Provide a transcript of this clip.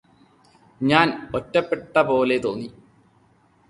ഞാന് ഒറ്റപ്പെട്ടപോലെ തോന്നി